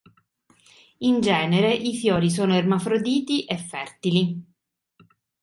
In genere i fiori sono ermafroditi e fertili.